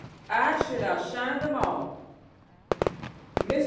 I should outshine them all." Mr.